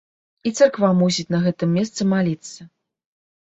І царква мусіць на гэтым месцы маліцца.